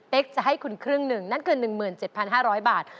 จะให้คุณครึ่งหนึ่งนั่นเกิน๑๗๕๐๐บาท